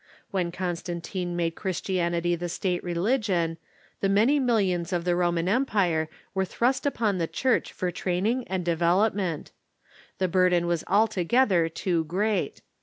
When Con stantine made Christianity the State religion the many millions of the Roman Empire were thrust upon the Church for train ing and development. The burden was altogether too great.